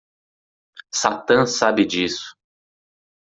Satã sabe disso.